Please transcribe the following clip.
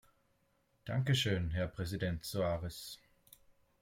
Danke schön, Herr Präsident Soares!